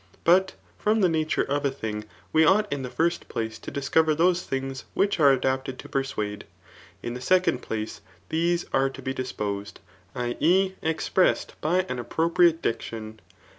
But from the nature of a thing, we ought in die first place to discover those things vdnch are adapted to persuade. In the second place, these are to be diq)Osed [ju e. ex* pressed] by. [an appropriate} diction.